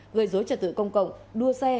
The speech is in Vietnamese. gây dối trật tự công cộng đua xe